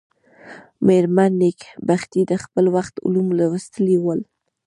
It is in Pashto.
مېرمن نېکبختي د خپل وخت علوم لوستلي ول.